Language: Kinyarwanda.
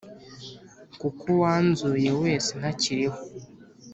Kuko wanzuye wese ntakiriho